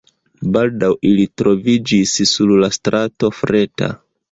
Baldaŭ ili troviĝis sur la strato Freta.